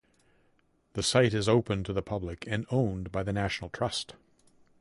The site is open to the public and owned by the National Trust.